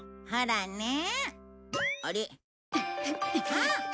あっ！